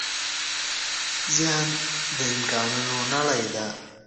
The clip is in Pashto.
ذهن د امکانونو نړۍ ده.